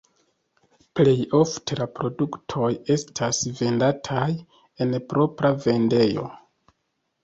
Plej ofte la produktoj estas vendataj en propra vendejo.